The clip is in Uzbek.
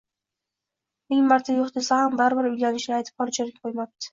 Ming marta yo`q desa ham baribir uylanishini aytib holi-joniga qo`ymabdi